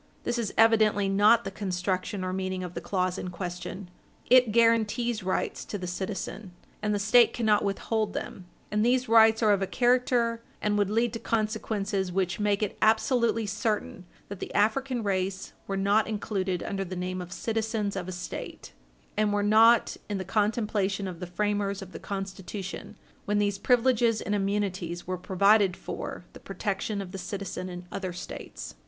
This is evidently not the construction or meaning of the clause in question. It guaranties rights to the citizen, and the State cannot withhold them. And these rights are of a character and would lead to consequences which make it absolutely certain that the African race were not included under the name of citizens of a State, and were not in the contemplation of the framers of the Constitution when these privileges and immunities were provided for the protection of the citizen in other States.